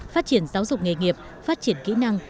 phát triển giáo dục nghề nghiệp phát triển kỹ năng